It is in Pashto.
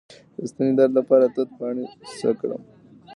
د ستوني درد لپاره د توت پاڼې څه کړم؟